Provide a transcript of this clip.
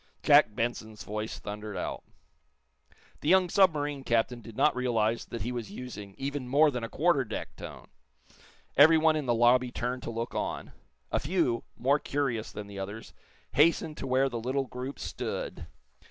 Jack Benson's voice thundered out. The young submarine captain did not realize that he was using even more than a quarter deck tone. Everyone in the lobby turned to look on. A few, more curious than the others, hastened to where the little group stood.